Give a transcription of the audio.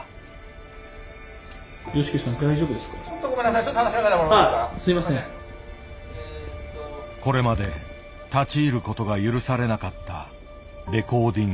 これまで立ち入ることが許されなかったレコーディング。